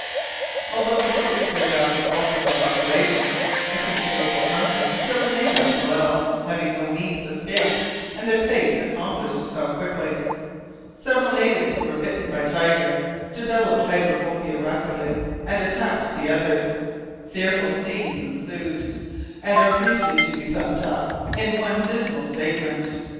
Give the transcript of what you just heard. Although the boats carried off the bulk of the population, a considerable number still remained on Tsalal, having no means of escape, and their fate accomplished itself quickly. Several natives who were bitten by Tiger developed hydrophobia rapidly, and attacked the others. Fearful scenes ensued, and are briefly to be summed up in one dismal statement.